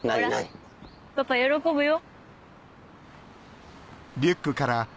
ほらパパ喜ぶよ。